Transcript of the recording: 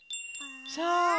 そう！